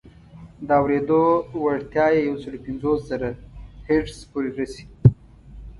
د اورېدو وړتیا یې یو سل پنځوس زره هرتز پورې رسي.